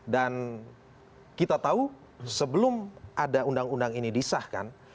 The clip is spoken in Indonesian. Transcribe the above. dan kita tahu sebelum ada undang undang ini disahkan